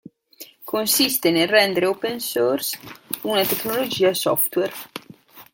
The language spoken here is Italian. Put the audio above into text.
Consiste nel rendere open source una tecnologia software.